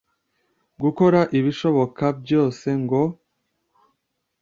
gukora ibishoboka byose ngo